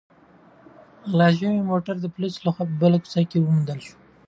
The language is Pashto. غلا شوی موټر د پولیسو لخوا په بله کوڅه کې وموندل شو.